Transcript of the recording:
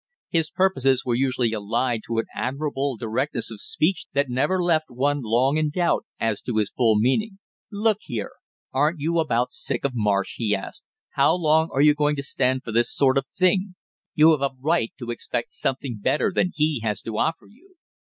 His purposes were usually allied to an admirable directness of speech that never left one long in doubt as to his full meaning. "Look here, aren't you about sick of Marsh?" he asked. "How long are you going to stand for this sort of thing? You have a right to expect something better than he has to offer you!"